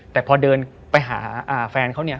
แต่พอเดินไปหาแฟนเขาเนี่ย